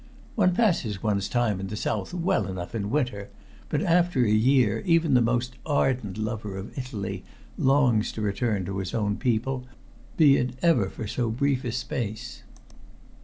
One passes one's time in the south well enough in winter, but after a year even the most ardent lover of Italy longs to return to his own people, be it ever for so brief a space.